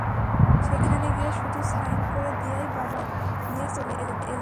সেখানে গিয়ে শুধু সাইন করে দিয়েই বাবা মাকে নিয়ে চলে এলেন।